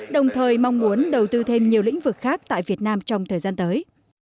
đồng thời mong muốn đầu tư thêm nhiều lĩnh vực khác tại việt nam trong thời gian tới